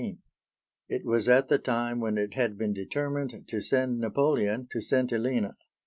It was at the time when it had been determined to send Napoleon to St. Helena.